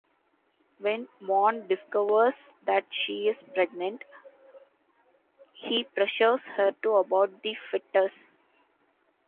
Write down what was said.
When Morn discovers that she is pregnant, he pressures her to abort the fetus.